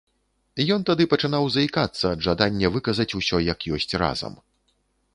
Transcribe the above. Ён тады пачынаў заікацца ад жадання выказаць усё як ёсць разам.